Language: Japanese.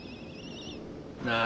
なあ？